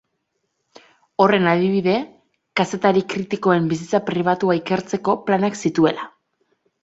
Horren adibide, kazetari kritikoen bizitza pribatua ikertzeko planak zituela.